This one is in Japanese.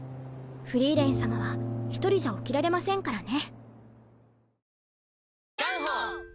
フリーレン様は１人じゃ起きられませんからね。